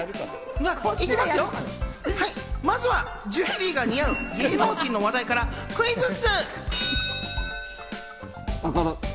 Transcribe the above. まずはジュエリーが似合う芸能人の話題からクイズッス！